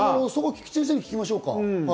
菊地先生に聞きましょうか。